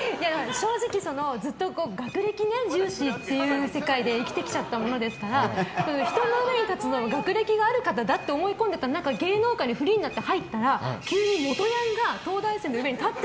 正直、ずっと学歴重視っていう世界で生きてきちゃったものですから人の上に立つのは学歴がある方だって思い込んでた中芸能界にフリーになって入ったら。